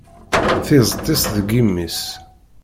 Tizeṭ-is deg imi-s.